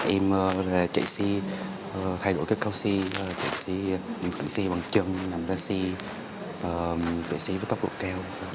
em chạy xe thay đổi các cao xe chạy xe điều khiển xe bằng chân nằm ra xe chạy xe với tóc độ cao